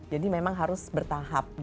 jadi memang harus bertahap